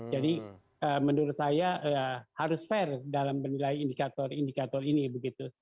jadi menurut saya harus fair dalam menilai indikator indikator ini begitu